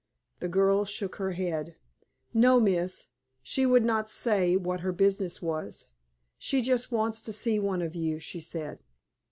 The girl shook her head. "No, miss. She would not say what her business was. She just wants to see one of you, she said."